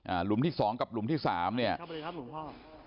หลุมที่สองกับหลุมที่สามเนี้ยเข้าไปครับหลวงพ่อ